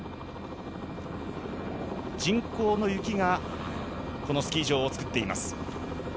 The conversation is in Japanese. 人工の雪がこのスキー場を作っています。